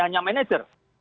bukan hanya manager